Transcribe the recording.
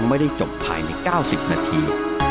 ไม่ได้จบภายในเก้าสิบนาที